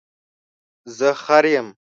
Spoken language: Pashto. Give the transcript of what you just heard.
زه خر یم